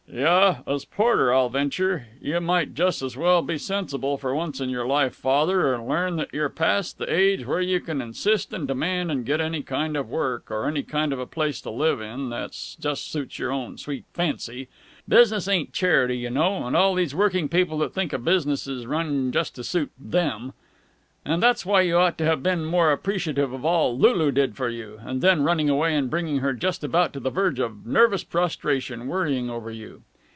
"Yuh, as porter, I'll venture! You might just as well be sensible, for once in your life, Father, and learn that you're past the age where you can insist and demand and get any kind of work, or any kind of a place to live in, that just suits your own sweet fancy. Business ain't charity, you know, and all these working people that think a business is run just to suit them ! And that's why you ought to have been more appreciative of all Lulu did for you and then running away and bringing her just about to the verge of nervous prostration worrying over you!"